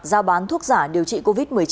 giao bán thuốc giả điều trị covid một mươi chín